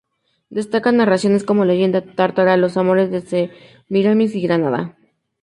Destacan narraciones como "Leyenda tártara", "los amores de Semíramis" y "Granada".